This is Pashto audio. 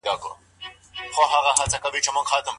شلغم په دوبي کي نه کرل کېږي.